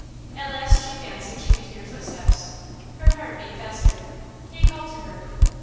At last she fancied she could hear footsteps; her heart beat faster. He called to her.